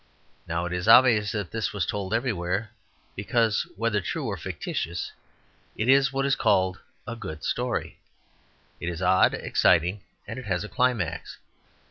Now, it is obvious that this was told everywhere because whether true or fictitious it is what is called "a good story;" it is odd, exciting, and it has a climax.